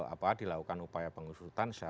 apa dilakukan upaya pengusutan